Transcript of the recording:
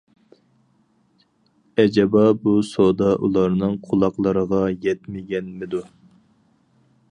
ئەجەبا بۇ سادا ئۇلارنىڭ قۇلاقلىرىغا يەتمىگەنمىدۇ؟ !